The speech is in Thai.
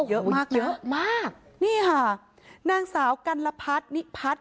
เยอะมากนะนี่ค่ะนางสาวกัณฑัตนิพัตร